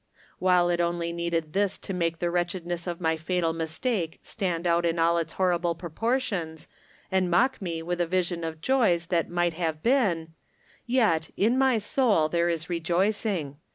WhUe it only needed this to make the wretch edness of my fatal mistake stand out in all its horrible proportions, and mock me with a vision From Different Standpoints. 271 of joys that might have been, yet, in my soul there is rejoicing.